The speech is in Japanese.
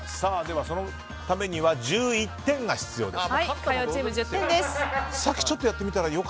そのためには１１点が必要です。